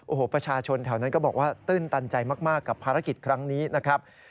โอ้โหประชาชนแถวนั้นก็บอกว่าตื้นตันใจมากกับภารกิจครั้งนี้นะครับ